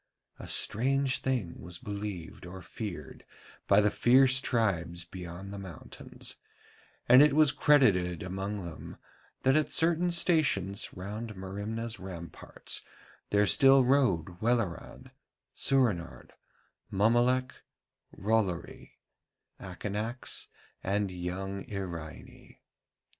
A strange thing was believed or feared by the fierce tribes beyond the mountains, and it was credited among them that at certain stations round Merimna's ramparts there still rode Welleran, Soorenard, Mommolek, Rollory, Akanax, and young Iraine.